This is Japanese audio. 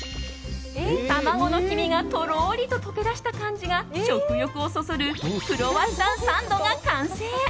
卵の黄身がとろーりと溶けだした感じが食欲をそそるクロワッサンサンドが完成。